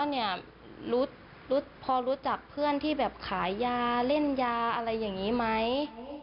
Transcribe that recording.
เขาก็ถามว่าพอรู้จักเพื่อนที่ขายยาเล่นยาอะไรอย่างนี้ไหม